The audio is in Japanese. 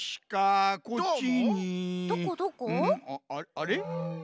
あれ？